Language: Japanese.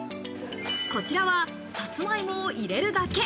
こちらはサツマイモを入れるだけ。